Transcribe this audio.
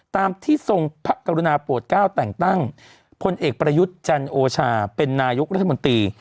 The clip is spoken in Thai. ตามที่ทรงพระกรุณาโปรดเก้าแต่งตั้งพลเอกประยุทธ์จันโอชาเป็นนายกรัฐมนตรี